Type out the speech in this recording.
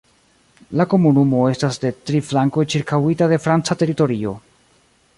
La komunumo estas de tri flankoj ĉirkaŭita de franca teritorio.